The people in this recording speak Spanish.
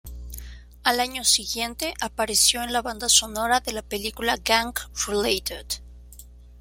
Al año siguiente, apareció en la banda sonora de la película Gang Related.